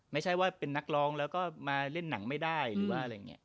ไม่ใช่ว่าเป็นนักร้องแล้วก็มาเล่นหนังไม่ได้หรือว่าอะไรอย่างนี้